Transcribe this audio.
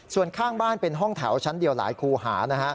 ส่วนข้างบ้านเป็นห้องแถวชั้นเดียวหลายคู่หา